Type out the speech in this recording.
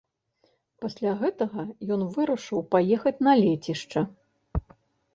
Пасля гэтага ён вырашыў паехаць на лецішча.